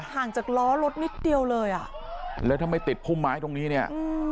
ห่างจากล้อรถนิดเดียวเลยอ่ะแล้วถ้าไม่ติดพุ่มไม้ตรงนี้เนี่ย